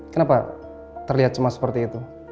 kenapa terlihat cemas seperti itu